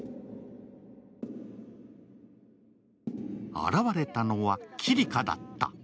現れたのはキリカだった。